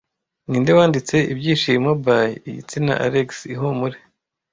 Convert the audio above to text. Ninde wanditse Ibyishimo By IgitsinaAlex Ihumure